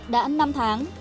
đã năm tháng